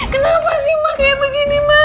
kenapa sih ma kayak begini ma